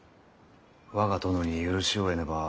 我が殿に許しを得ねば。